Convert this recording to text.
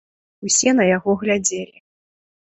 Усе на яго глядзелі.